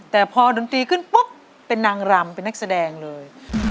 แต่พอดนตรีขึ้นปุ๊บเป็นนางรำเป็นนักแสดงเลย